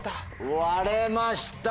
割れました！